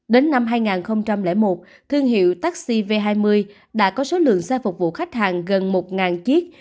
đến năm hai nghìn một thương hiệu taxi v hai mươi đã có số lượng xe phục vụ khách hàng gần một chiếc